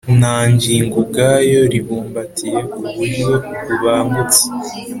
nta ngingo ubwayo ribumbatiye ku buryo bubangutse